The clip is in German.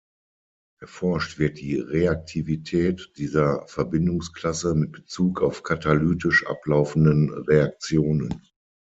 Erforscht wird die Reaktivität dieser Verbindungsklasse mit Bezug auf katalytisch ablaufenden Reaktionen.